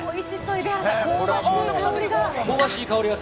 蛯原さん、香ばしい香りが！